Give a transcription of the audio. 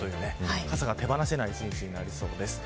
傘が手放せない一日になりそうです。